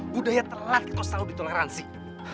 budaya telat kok selalu ditolak rancik